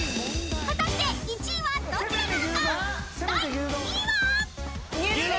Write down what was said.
［果たして１位はどちらなのか！？］